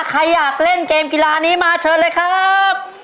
ใครอยากเล่นเกมกีฬานี้มาเชิญเลยครับ